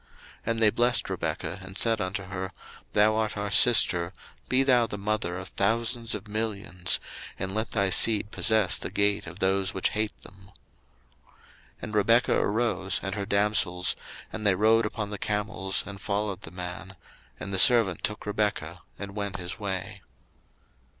01:024:060 And they blessed Rebekah, and said unto her, Thou art our sister, be thou the mother of thousands of millions, and let thy seed possess the gate of those which hate them. 01:024:061 And Rebekah arose, and her damsels, and they rode upon the camels, and followed the man: and the servant took Rebekah, and went his way.